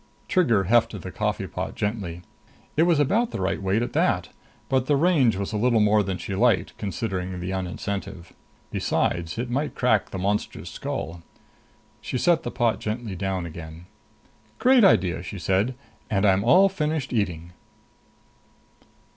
Trigger hefted the coffee pot gently. It was about the right weight at that. But the range was a little more than she liked, considering the un incentive. Besides, it might crack the monster's skull. She set the pot gently down again. "Great idea!" she said. "And I'm all finished eating."